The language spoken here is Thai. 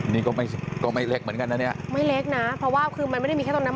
นี่ก็ไม่ก็ไม่เล็กเหมือนกันนะเนี่ยไม่เล็กนะเพราะว่าคือมันไม่ได้มีแค่ตรงนั้น